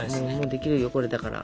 できるよこれだから。